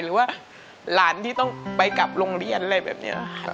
หรือว่าหลานที่ต้องไปกลับโรงเรียนอะไรแบบนี้